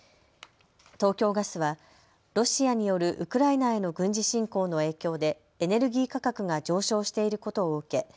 東京ガスはロシアによるウクライナへの軍事侵攻の影響でエネルギー価格が上昇していることを受け